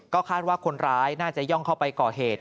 คาดว่าคนร้ายน่าจะย่องเข้าไปก่อเหตุ